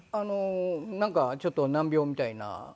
なんかちょっと難病みたいな。